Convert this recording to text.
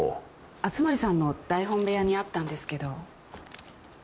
熱護さんの台本部屋にあったんですけど。